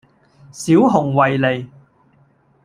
小熊維尼